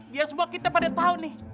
biar semua kita pada tahu nih